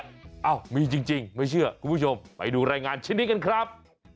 เอ้ามีจริงไม่เชื่อคุณผู้ชมไปดูรายงานชิ้นนี้กันครับ